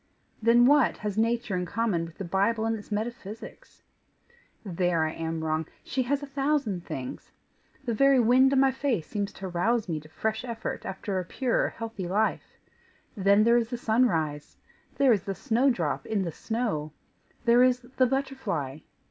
Then, what has nature in common with the Bible and its metaphysics? There I am wrong she has a thousand things. The very wind on my face seems to rouse me to fresh effort after a pure healthy life! Then there is the sunrise! There is the snowdrop in the snow! There is the butterfly!